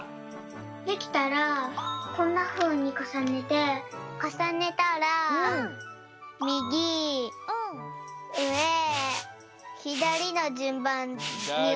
できたらこんなふうにかさねてかさねたらみぎうえひだりのじゅんばんにおるよ。